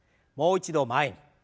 もう一度前に。